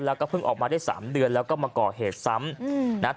แล้วก็เพิ่งออกมาได้๓เดือนแล้วก็มาก่อเหตุซ้ำนะครับ